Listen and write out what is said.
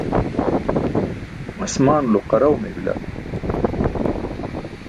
asmaanulo qaraw mey bila.